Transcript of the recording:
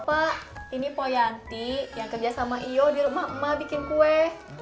pak ini poyanti yang kerja sama io di rumah emak emak bikin kue